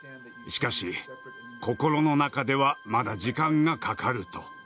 しかし心の中ではまだ時間がかかる」と。